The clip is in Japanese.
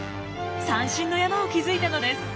三振の山を築いたのです。